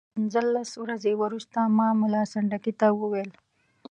پنځلس ورځې وروسته ما ملا سنډکي ته وویل.